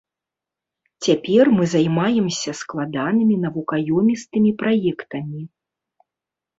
Цяпер мы займаемся складанымі навукаёмістымі праектамі.